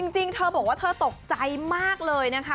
จริงเธอบอกว่าเธอตกใจมากเลยนะคะ